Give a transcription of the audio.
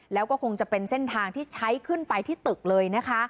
แล้วก็คงจะเป็นเส้นทางที่ใช้ขึ้นไปที่ตึกเลยนะคะ